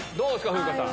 風花さん。